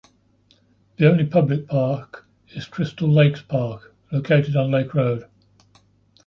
The only public park is Crystal Lakes Park located on Lake Road.